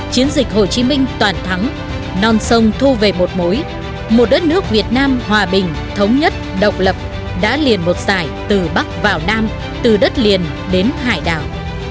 chiến dịch hồ chí minh toàn thắng non sông thu về một mối một đất nước việt nam hòa bình thống nhất độc lập đã liền một dài từ bắc vào nam từ đất liền đến hải đảo